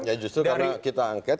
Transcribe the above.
ya justru karena kita angket